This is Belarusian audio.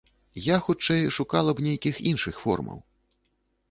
Я, хутчэй, шукала б нейкіх іншых формаў.